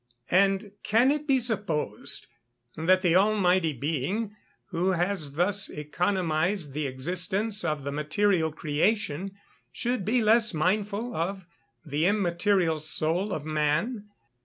And can it be supposed that the Almighty Being, who has thus economised the existence of the material creation, should be less mindful of the immaterial soul of man?